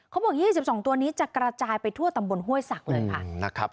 เขาบอกยี่สิบสองตัวนี้จะกระจายไปทั่วตำบลห้วยศักดิ์เลยค่ะอืมนะครับ